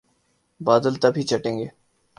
بادل تب ہی چھٹیں گے۔